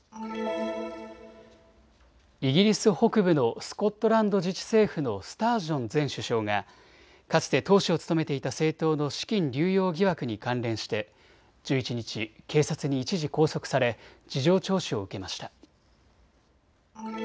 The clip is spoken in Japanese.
イギリス北部のスコットランド自治政府のスタージョン前首相がかつて党首を務めていた政党の資金流用疑惑に関連して１１日、警察に一時拘束され事情聴取を受けました。